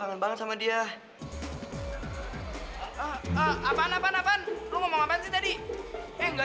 kalian pernah mau marine